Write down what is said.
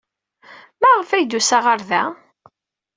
Maɣef ay d-yusa ɣer da?